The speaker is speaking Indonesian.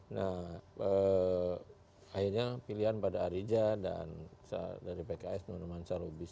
nah akhirnya pilihan pada arija dan dari pks nurman salobis